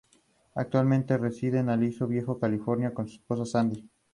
Actualmente reside en Aliso Viejo, California con su esposa Sandy.